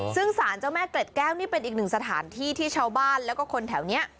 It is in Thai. ซึ่งสารเจ้าแม่เกล็ดแก้วนี่เป็นอีกหนึ่งสถานที่ที่ชาวบ้านแล้วก็คนแถวนี้